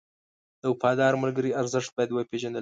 د وفادار ملګري ارزښت باید وپېژندل شي.